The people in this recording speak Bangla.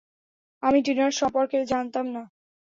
আমি টিনার সম্পর্কে জানতাম না।